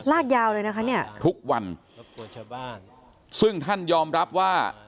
ลากยาวเลยนะคะเนี่ยทุกวันชาวบ้านซึ่งท่านยอมรับว่า